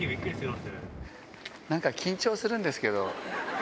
なんか緊張するんですけど。